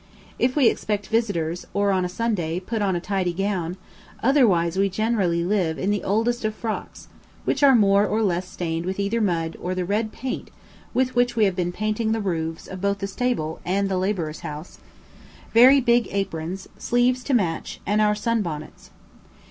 If we expect visitors, or on a Sunday, put on a tidy gown; otherwise we generally live in the oldest of frocks (which are more or less stained with either mud or the red paint with which we have been painting the roofs of both the stable and the labourers' house), very big aprons, sleeves to match, and our sun bonnets.